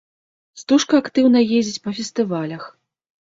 Стужка актыўна ездзіць па фестывалях.